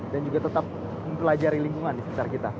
dan juga tetap mempelajari lingkungan di sejarah kita